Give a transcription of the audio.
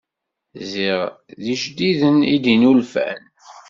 Ziɣ d ijdiden i d-yennulfan.